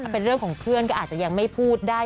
เป็นเรื่องของเพื่อนก็อาจจะยังไม่พูดได้